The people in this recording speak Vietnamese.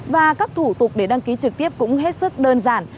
và các thủ tục để đăng ký trực tiếp cũng hết sức đơn giản